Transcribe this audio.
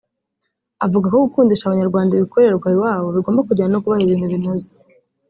avuga ko gukundisha Abanyarwanda ibikorerwa iwabo bigomba kujyana no kubaha ibintu binoze